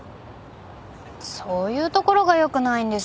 そういうところがよくないんですよ。